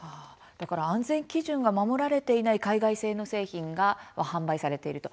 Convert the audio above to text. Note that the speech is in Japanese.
だから安全基準が守られていない海外製の製品が販売されていると。